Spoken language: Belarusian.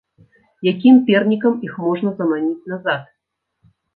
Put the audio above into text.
Якім пернікам іх можна заманіць назад?